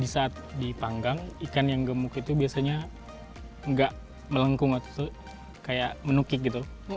di saat dipanggang ikan yang gemuk itu biasanya nggak melengkung waktu itu kayak menukik gitu